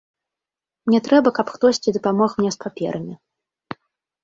Мне трэба, каб хтосьці дапамог мне з паперамі.